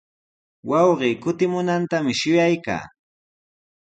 Wawqii kutimunantami shuyaykaa.